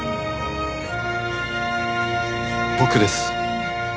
僕です。